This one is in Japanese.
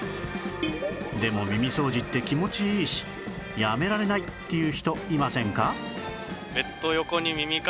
でも耳掃除って気持ちいいしやめられないっていう人いませんか？